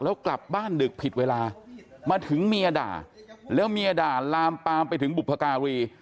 แล้วกลับบ้านดึกผิดเวลามาถึงเมียด่าแล้วเมียด่าลามปามไปถึงบุพการี